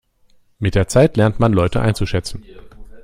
Mit der Zeit lernt man Leute einzuschätzen.